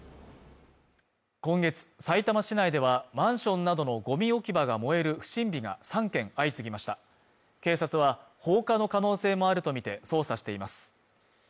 今月さいたま市内ではマンションなどのゴミ置き場が燃える不審火が３件相次ぎました警察は放火の可能性もあるとみて捜査しています